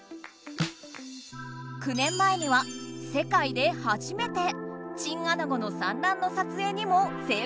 ９年前には世界ではじめてチンアナゴの産卵の撮影にも成功したんだって。